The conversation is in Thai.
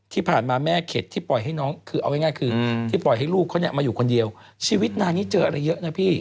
ที่ผ่านมาแม่เข็ดที่ปล่อยให้ลูกเขามาอยู่คนเดียวชีวิตนางนี้เจออะไรเยอะนะพี่